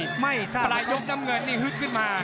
ปลายยกน้ำเงินปลายยกน้ำเงินจะฮึกขึ้นมา